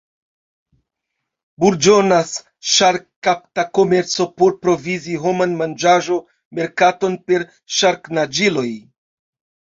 Burĝonas ŝark-kapta komerco por provizi homan manĝaĵo-merkaton per ŝark-naĝiloj.